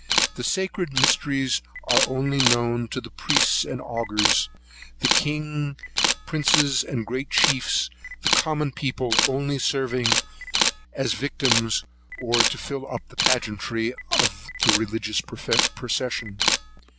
The sacred mysteries are only known to the priests or augurs, the king, princes, and great chiefs, the common people only serving as victims, or to fill up the pageantry of a religious procession.